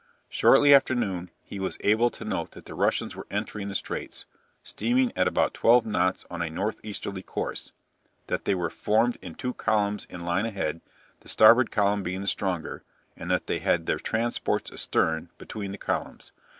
Shortly after noon he was able to note that the Russians were entering the straits, steaming at about 12 knots on a north easterly course; that they were formed in two columns in line ahead, the starboard column being the stronger, and that they had their transports astern between the columns.